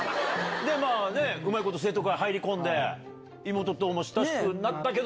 でうまいこと生徒会入り込んでイモトとも親しくなったけど。